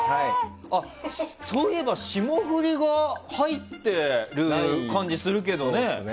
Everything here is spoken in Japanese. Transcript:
そういえば、霜降りが入ってる感じするけどね。